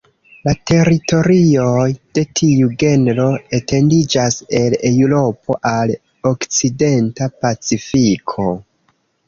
La teritorioj de tiu genro etendiĝas el Eŭropo al okcidenta Pacifiko.